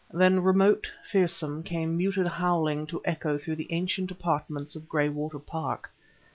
Then remote, fearsome, came muted howling to echo through the ancient apartments of Graywater Park.